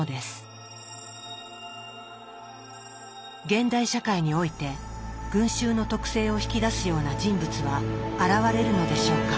現代社会において群衆の徳性を引き出すような人物は現れるのでしょうか？